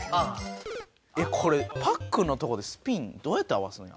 えっこれパックンのとこでスピンどうやって合わすんや？